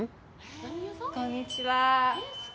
こんにちは。